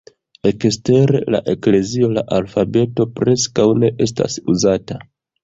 Ekster la eklezio la alfabeto preskaŭ ne estas uzata.